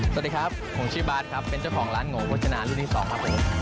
สวัสดีครับผมชื่อบาทครับเป็นเจ้าของร้านโงโภชนารุ่นที่๒ครับผม